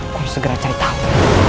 aku harus segera cari tahu